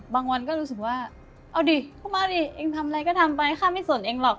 วันก็รู้สึกว่าเอาดิเข้ามาดิเองทำอะไรก็ทำไปข้าไม่สนเองหรอก